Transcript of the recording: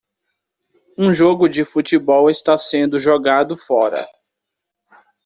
Um jogo de futebol está sendo jogado fora.